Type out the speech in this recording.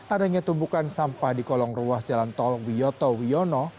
adanya tumpukan sampah di kolong ruas jalan tol wiyoto wiono